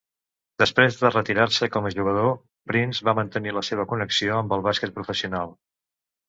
Després de retirar-se com a jugador, Prince va mantenir la seva connexió amb el bàsquet professional.